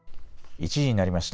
１時になりました。